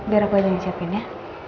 biar aku aja yang siapin ya